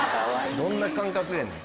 どんな感覚やねん。